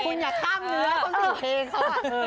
คุณอย่าข้ามเนื้อของสิ่งเพลง